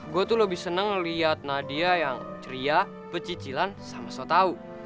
gue tuh lebih seneng liat nadia yang ceria pecicilan sama sotau